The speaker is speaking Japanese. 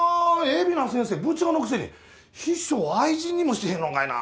海老名先生部長のくせに秘書を愛人にもしてへんのかいな。